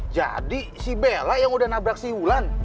jadi si bella yang udah nabrak si lulan